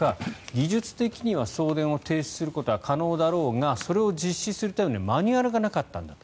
技術的には送電を停止することは可能だろうがそれを実施するためのマニュアルがなかったんだと。